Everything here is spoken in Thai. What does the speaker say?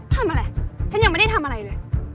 ทำอะไรฉันยังไม่ได้ทำอะไรเลย